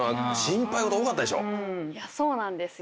そうなんですよ。